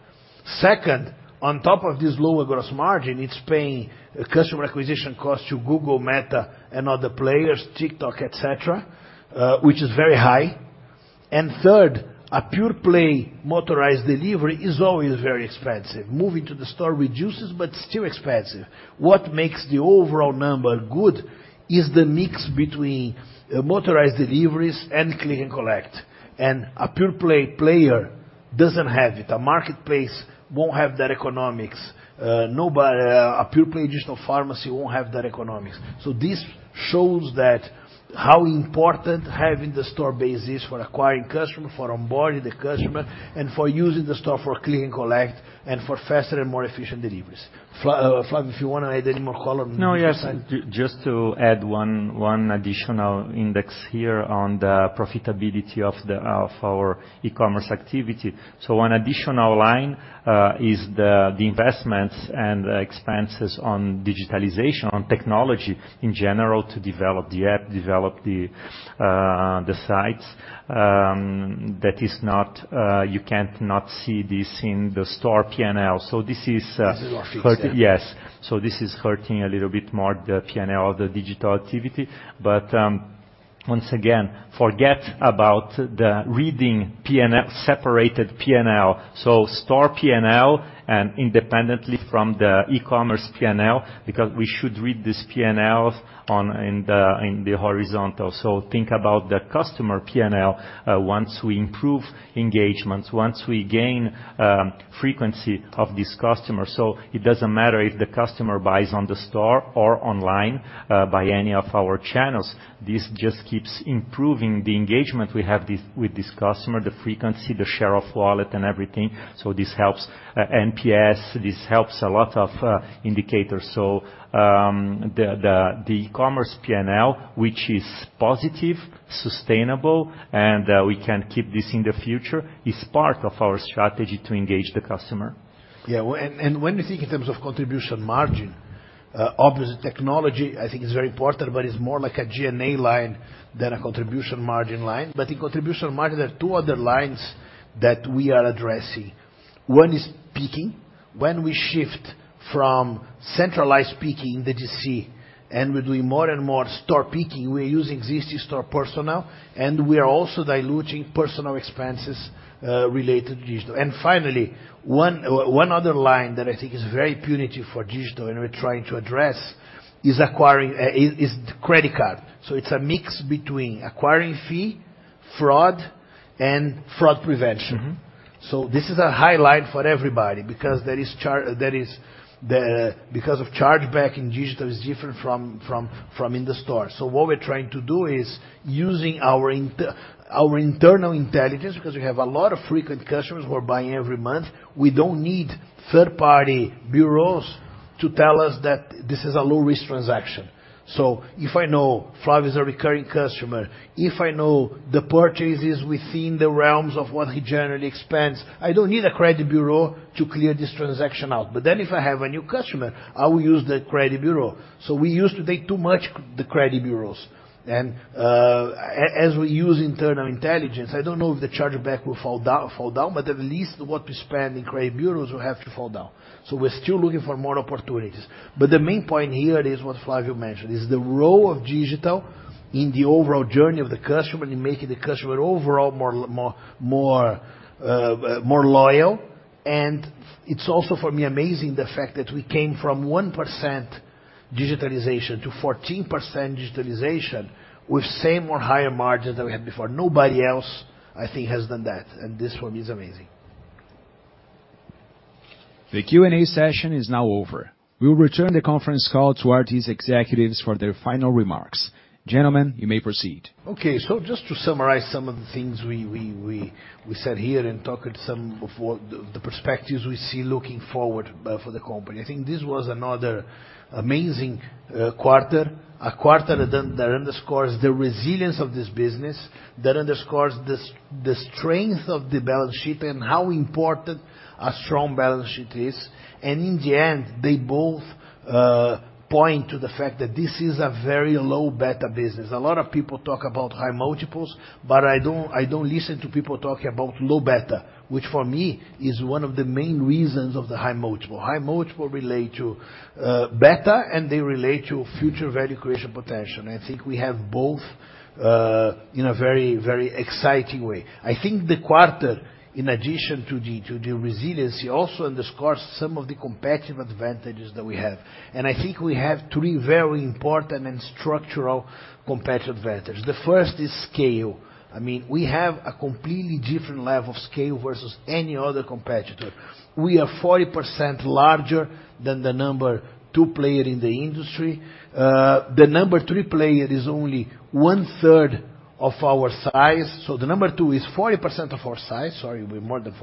Second, on top of this lower gross margin, it's paying customer acquisition costs to Google, Meta, and other players, TikTok, et cetera, which is very high. And third, a pure-play motorized delivery is always very expensive. Moving to the store reduces, but still expensive. What makes the overall number good is the mix between motorized deliveries and click and collect. A pure-play player doesn't have it. A marketplace won't have that economics. Nobody. A pure-play digital pharmacy won't have that economics. This shows that how important having the store base is for acquiring customer, for onboarding the customer, and for using the store for click and collect, and for faster and more efficient deliveries. Flavio, if you want to add any more color. No. Yes. Just to add one additional index here on the profitability of our e-commerce activity. One additional line is the investments and expenses on digitalization, on technology in general to develop the app, develop the sites. That is not, you can't not see this in the store P&L. This is. This is off itself. Yes. This is hurting a little bit more the P&L of the digital activity. But once again, forget about the reading P&L, separated P&L. Store P&L and independently from the e-commerce P&L, because we should read these P&Ls in the horizontal. Think about the customer P&L, once we improve engagements, once we gain frequency of this customer. It doesn't matter if the customer buys on the store or online, by any of our channels. This just keeps improving the engagement we have with this customer, the frequency, the share of wallet and everything. This helps NPS, this helps a lot of indicators. The e-commerce P&L, which is positive, sustainable, and we can keep this in the future, is part of our strategy to engage the customer. When you think in terms of contribution margin, obviously technology I think is very important, but it's more like a G&A line than a contribution margin line. In contribution margin, there are two other lines that we are addressing. One is picking. When we shift from centralized picking in the DC and we're doing more and more store picking, we're using existing store personnel and we are also diluting personnel expenses related to digital. Finally, one other line that I think is very punitive for digital and we're trying to address is acquiring the credit card. It's a mix between acquiring fee, fraud and fraud prevention. Mm-hmm. This is a highlight for everybody because there is, because of chargeback and digital is different from in the store. What we're trying to do is using our internal intelligence, because we have a lot of frequent customers who are buying every month, we don't need third party bureaus to tell us that this is a low-risk transaction. If I know Flávio is a recurring customer, if I know the purchase is within the realms of what he generally spends, I don't need a credit bureau to clear this transaction out. If I have a new customer, I will use the credit bureau. We used to take too much the credit bureaus. As we use internal intelligence, I don't know if the chargeback will fall down, but at least what we spend in credit bureaus will have to fall down. We're still looking for more opportunities. The main point here is what Flávio mentioned, is the role of digital in the overall journey of the customer, in making the customer overall more loyal. It's also for me amazing the fact that we came from 1% digitalization to 14% digitalization with same or higher margin than we had before. Nobody else, I think, has done that, and this for me is amazing. The Q&A session is now over. We'll return the conference call to RD's executives for their final remarks. Gentlemen, you may proceed. Okay. Just to summarize some of the things we said here and talked some of what the perspectives we see looking forward for the company. I think this was another amazing quarter. A quarter that underscores the resilience of this business, that underscores the strength of the balance sheet and how important a strong balance sheet is. In the end, they both point to the fact that this is a very low beta business. A lot of people talk about high multiples, but I don't listen to people talking about low beta, which for me is one of the main reasons of the high multiple. High multiple relate to beta and they relate to future value creation potential, and we have both in a very, very exciting way. The quarter, in addition to the resiliency, also underscores some of the competitive advantages that we have. I think we have three very important and structural competitive advantages. The first is scale. I mean, we have a completely different level of scale versus any other competitor. We are 40% larger than the number two player in the industry. The number three player is only one-third of our size. The number two is 40% of our size. Sorry, it's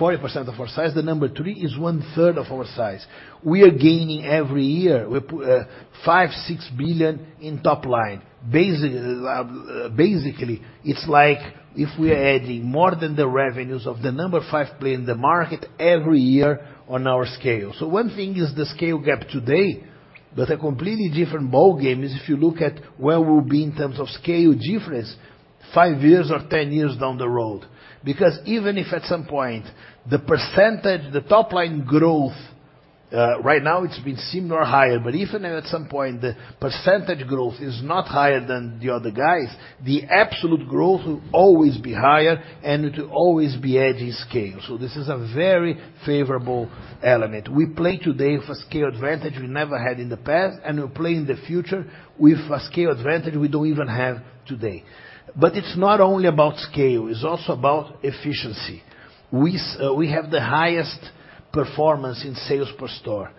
40% of our size. The number three is one-third of our size. We are gaining every year. We're BRL five, six billion in top line. Basically, it's like if we're adding more than the revenues of the number five player in the market every year on our scale. One thing is the scale gap today, but a completely different ballgame is if you look at where we'll be in terms of scale difference 5 years or 10 years down the road. Even if at some point the percentage, the top line growth, right now it's been similar or higher, but even if at some point the percentage growth is not higher than the other guys, the absolute growth will always be higher and it will always be adding scale. This is a very favorable element. We play today with a scale advantage we never had in the past, and we'll play in the future with a scale advantage we don't even have today. It's not only about scale, it's also about efficiency. We have the highest performance in sales per store.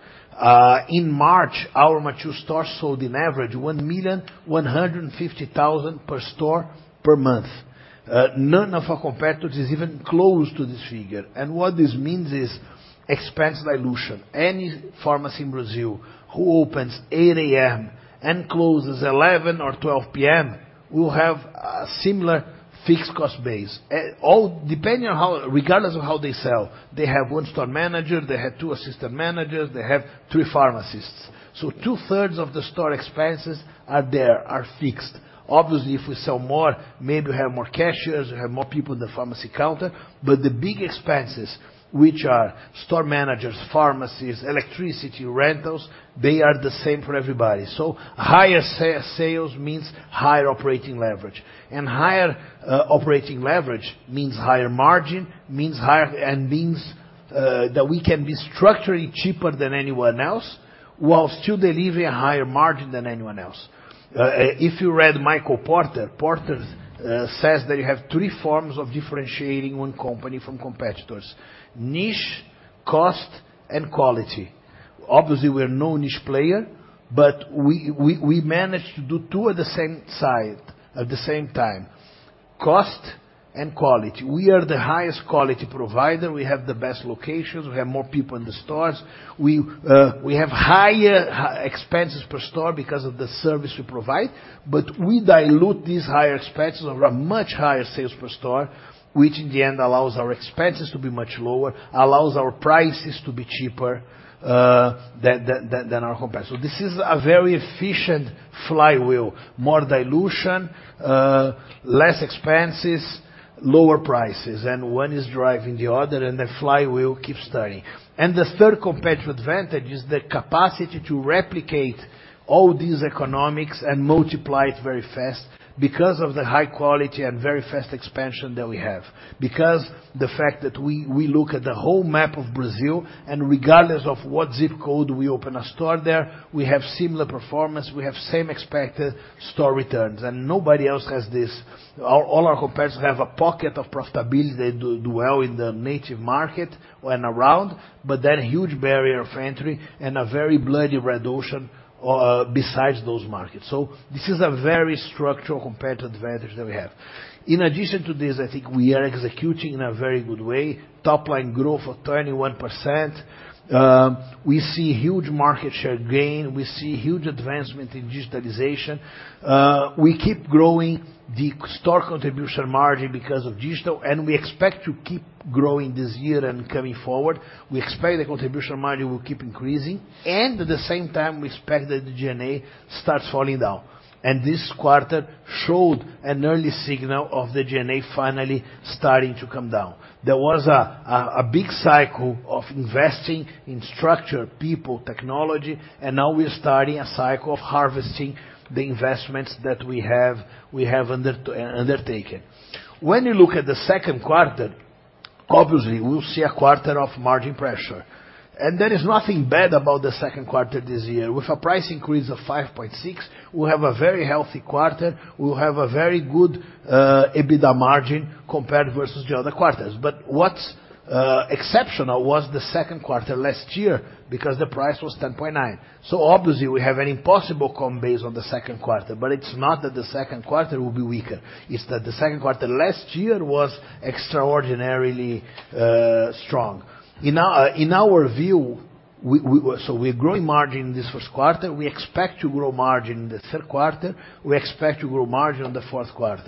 In March, our mature store sold an average 1,150,000 per store per month. None of our competitors is even close to this figure. What this means is expense dilution. Any pharmacy in Brazil who opens 8:00 A.M. and closes 11:00 P.M. or 12:00 P.M. will have a similar fixed cost base. All depending on how, regardless of how they sell, they have one store manager, they have two assistant managers, they have three pharmacists. Two-thirds of the store expenses are there, are fixed. Obviously, if we sell more, maybe we have more cashiers, we have more people in the pharmacy counter. The big expenses, which are store managers, pharmacies, electricity, rentals, they are the same for everybody. Higher sales means higher operating leverage. Higher operating leverage means higher margin, means higher, and means that we can be structurally cheaper than anyone else while still delivering a higher margin than anyone else. If you read Michael Porter says that you have three forms of differentiating one company from competitors: niche, cost, and quality. Obviously, we're no niche player, we managed to do two at the same time, cost and quality. We are the highest quality provider. We have the best locations. We have more people in the stores. We have higher expenses per store because of the service we provide. We dilute these higher expenses over a much higher sales per store, which in the end allows our expenses to be much lower, allows our prices to be cheaper than our competitors. This is a very efficient flywheel. More dilution, less expenses, lower prices, and one is driving the other, and the flywheel keeps turning. The third competitive advantage is the capacity to replicate all these economics and multiply it very fast because of the high quality and very fast expansion that we have. The fact that we look at the whole map of Brazil and regardless of what ZIP code we open a store there, we have similar performance, we have same expected store returns and nobody else has this. All our competitors have a pocket of profitability. They do well in the native market when around, but then a huge barrier of entry and a very bloody red ocean besides those markets. This is a very structural competitive advantage that we have. In addition to this, we are executing in a very good way. Top line growth of 21%. We see huge market share gain. We see huge advancement in digitalization. We keep growing the store contribution margin because of digital, and we expect to keep growing this year and coming forward. We expect the contribution margin will keep increasing and at the same time we expect that the G&A starts falling down. This quarter showed an early signal of the G&A finally starting to come down. There was a big cycle of investing in structure, people, technology, and now we're starting a cycle of harvesting the investments that we have undertaken. When you look at the Q2, obviously we'll see a quarter of margin pressure. There is nothing bad about the Q2 this year. With a price increase of 5.6%, we'll have a very healthy quarter. We'll have a very good EBITDA margin compared versus the other quarters. What's exceptional was the Q2 last year because the price was 10.9%. Obviously we have an impossible comp base on the Q2. It's not that the Q2 will be weaker, it's that the Q2 last year was extraordinarily strong. In our, in our view, we're growing margin in this Q1. We expect to grow margin in the Q3. We expect to grow margin in the Q4.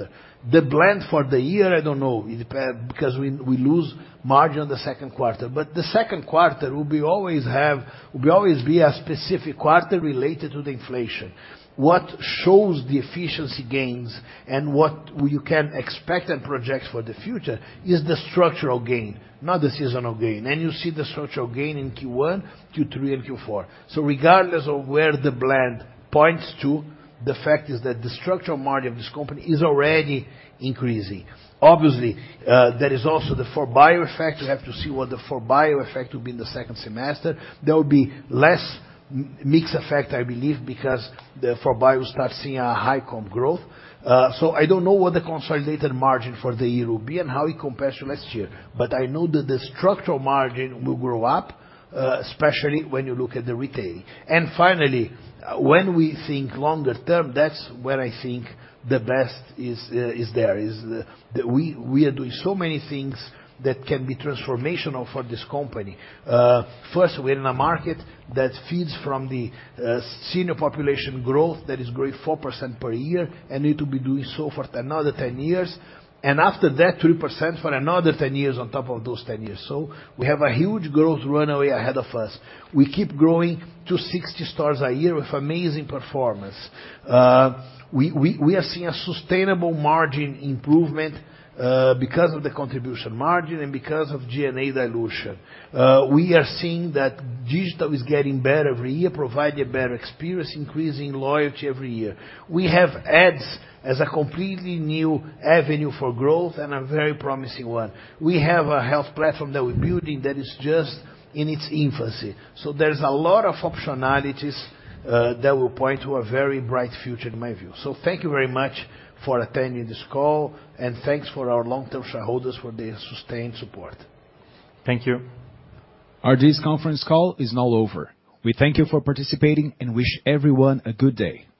The blend for the year, I don't know it depend because we lose margin on the Q2, but the Q2 will always be a specific quarter related to the inflation. What shows the efficiency gains and what you can expect and project for the future is the structural gain, not the seasonal gain. You see the structural gain in Q1, Q3 and Q4. Regardless of where the blend points to, the fact is that the structural margin of this company is already increasing. Obviously, there is also the 4Bio effect. We have to see what the 4Bio effect will be in the second semester. There will be less mix effect I believe because the 4Bio start seeing a high comp growth. I don't know what the consolidated margin for the year will be and how it compares to last year, but I know that the structural margin will grow up, especially when you look at the retail. Finally, when we think longer term, that's when I think the best is there is... We are doing so many things that can be transformational for this company. First, we're in a market that feeds from the senior population growth that is growing 4% per year and need to be doing so for another 10 years. After that 3% for another 10 years on top of those 10 years. We have a huge growth runway ahead of us. We keep growing to 60 stores a year with amazing performance. We are seeing a sustainable margin improvement because of the contribution margin and because of G&A dilution. We are seeing that digital is getting better every year, providing a better experience, increasing loyalty every year. We have ads as a completely new avenue for growth and a very promising one. We have a health platform that we're building that is just in its infancy. There's a lot of functionalities that will point to a very bright future in my view. Thank you very much for attending this call and thanks for our long-term shareholders for their sustained support. Thank you. Our conference call is now over. We thank you for participating and wish everyone a good day.